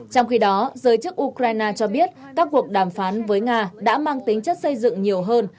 trong khi đó giới chức ukraine cho biết các cuộc đàm phán với nga đã mang tính chất xây dựng nhiều hơn